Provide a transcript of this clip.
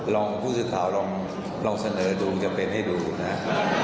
ผู้สื่อข่าวลองเสนอดูมันจะเป็นให้ดูนะ